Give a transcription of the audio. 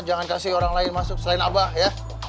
jangan kasih orang lain masuk selain abah ya